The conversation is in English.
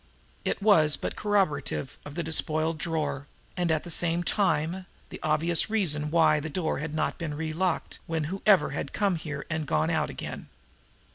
It was but corroborative of the despoiled drawer; and, at the same time, the obvious reason why the door had not been relocked when whoever had come here had gone out again.